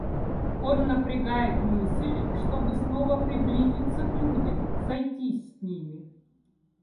Он напрягает мысль, чтобы снова приблизиться к людям, сойтись с ними.